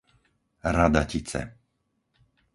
Radatice